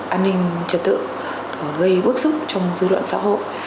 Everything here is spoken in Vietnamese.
an ninh trật tự gây bức xúc trong dư luận xã hội